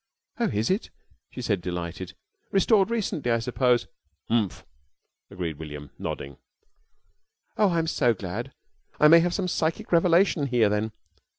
"Oh, is it?" she said, delighted. "Restored recently, I suppose?" "Umph," agreed William, nodding. "Oh, I'm so glad. I may have some psychic revelation here, then?"